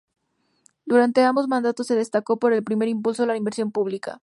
Durante ambos mandatos se destacó por el fuerte impulso a la inversión pública.